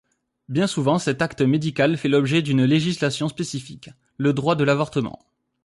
Bien souvent cet acte médical fait l'objet d'une législation spécifique, le droit de l'avortement.